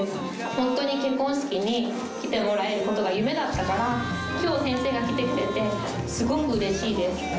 本当に結婚式に来てもらえることが夢だったから、きょう、先生が来てくれて、すごくうれしいです。